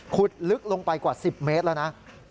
ลึกลงไปกว่า๑๐เมตรแล้วนะ